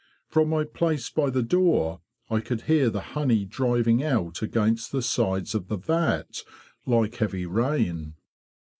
From my place by the door I could hear the honey driving out against the sides of the vat like heavy rain.